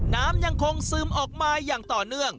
น้ำยังคงซึมออกมาอย่างต่อเนื่อง